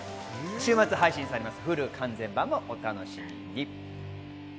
週末配信されます、Ｈｕｌｕ完全版もお楽しみに。